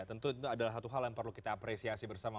tentu itu adalah satu hal yang perlu kita apresiasi bersama